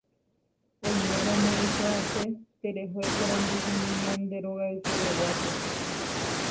oiméramo eikuaase tereho eporandu umi ñande rogaykereguápe